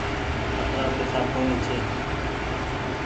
اترآ پئيسا ڪونيٚ ڇي۔